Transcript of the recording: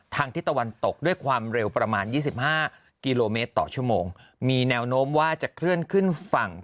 ทิศตะวันตกด้วยความเร็วประมาณ๒๕กิโลเมตรต่อชั่วโมงมีแนวโน้มว่าจะเคลื่อนขึ้นฝั่ง